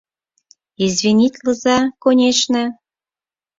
— Извинитлыза, конешне...